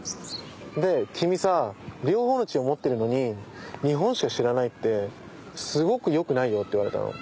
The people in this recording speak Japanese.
で「君さ両方の血を持ってるのに日本しか知らないってすごくよくないよ」って言われたの。